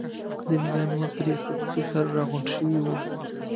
د ملي امنیت په ریاست کې سره راغونډ شوي وو.